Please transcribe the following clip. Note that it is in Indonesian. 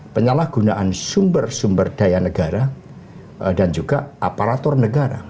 penyalahgunaan sumber sumber daya negara dan juga aparatur negara